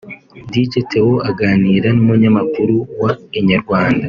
Dj Theo aganira n’umunyamakuru wa Inyarwanda